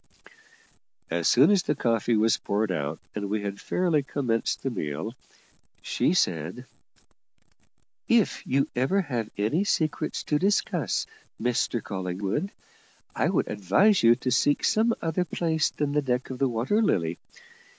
As soon as the coffee was poured out, and we had fairly commenced the meal, she said: "If you ever have any secrets to discuss, Mr Collingwood, I would advise you to seek some other place than the deck of the Water Lily.